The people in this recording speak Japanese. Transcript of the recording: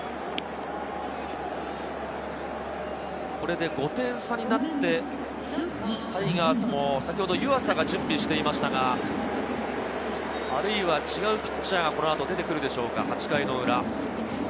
これで５点差になってタイガースも先ほど湯浅が準備していましたが、あるいは違うピッチャーがこの後出てくるでしょうか、８回の裏。